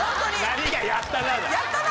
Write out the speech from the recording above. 何が「やったな」だ。